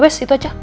ya bes itu aja